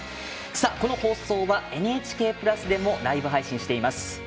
この放送はＮＨＫプラスでもライブ配信しています。